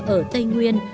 ở tây nguyên